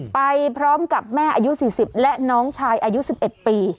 ไปพร้อมกับแม่อายุ๔๐และน้องชายอายุ๑๑ปี